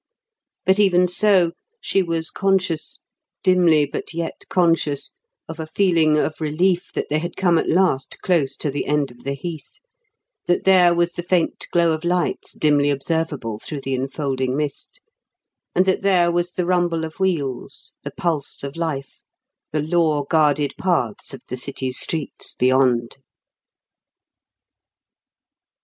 But even so, she was conscious dimly but yet conscious of a feeling of relief that they had come at last close to the end of the heath, that there was the faint glow of lights dimly observable through the enfolding mist, and that there was the rumble of wheels, the pulse of life, the law guarded paths of the city's streets beyond.